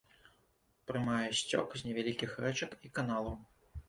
Прымае сцёк з невялікіх рэчак і каналаў.